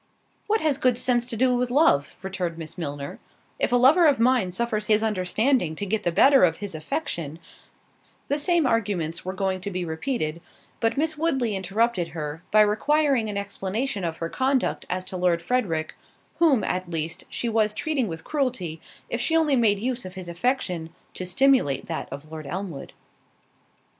"What has good sense to do with love?" returned Miss Milner—"If a lover of mine suffers his understanding to get the better of his affection—" The same arguments were going to be repeated; but Miss Woodley interrupted her, by requiring an explanation of her conduct as to Lord Frederick, whom, at least, she was treating with cruelty, if she only made use of his affection to stimulate that of Lord Elmwood.